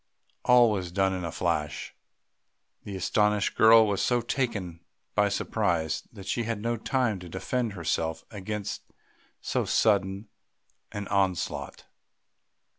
All was done in a flash; the astonished girl was so taken by surprise that she had no time to defend herself against so sudden an onslaught.